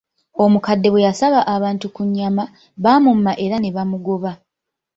Omukadde bwe yasaba abantu ku nnyama, baamumma era ne bamugoba.